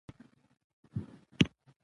زه د خبرو پر ځای عمل ته اهمیت ورکوم.